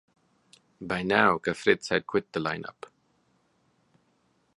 By now, Cafritz had quit the line-up.